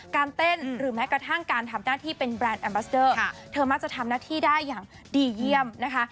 เต้นหรือแม้กระทั่งการทำหน้าที่เป็นแบรนด์แอมบัสเดอร์เธอมักจะทำหน้าที่ได้อย่างดีเยี่ยมนะคะ